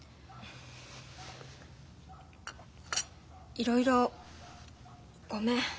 いろいろごめん。